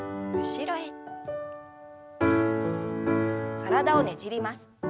体をねじります。